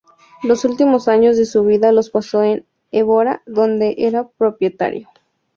Los últimos años de su vida los pasó en Évora, donde era propietario.